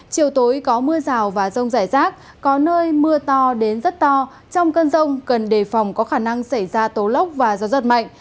chiều tối có mưa rào và rông rải rác có nơi mưa to đến rất to trong cơn rông cần đề phòng có khả năng xảy ra tố lốc và gió giật mạnh